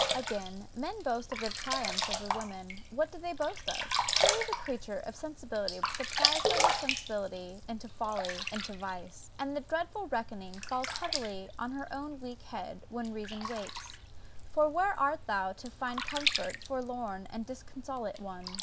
Again; men boast of their triumphs over women, what do they boast of? Truly the creature of sensibility was surprised by her sensibility into folly into vice;* and the dreadful reckoning falls heavily on her own weak head, when reason wakes. For where art thou to find comfort, forlorn and disconsolate one?